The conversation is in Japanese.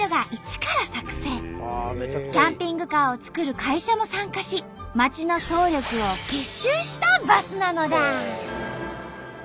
キャンピングカーを作る会社も参加し町の総力を結集したバスなのだ！